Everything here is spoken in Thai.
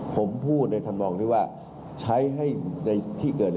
ผมพูดในทางมองที่ว่าใช้ให้ในที่เกิด